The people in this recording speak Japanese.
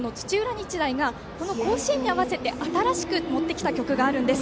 日大がこの甲子園に合わせて新しく持ってきた曲があるんです。